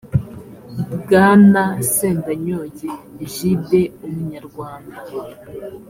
bwana sendanyoye egide umunyarwanda